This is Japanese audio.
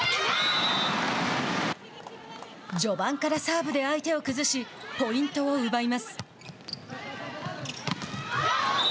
序盤からサーブで相手を崩しポイントを奪います。